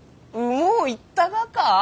もういったがか？